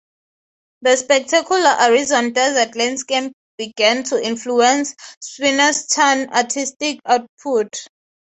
The spectacular Arizona desert landscape began to influence Swinnerton's artistic output.